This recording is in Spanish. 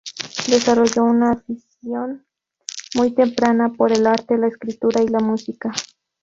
Desarrolló una afición muy temprana por el arte, la escritura y la música.